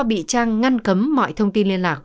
bị trang ngăn cấm mọi thông tin liên lạc